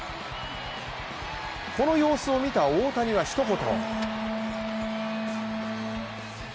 この様子を見た大谷はひと言。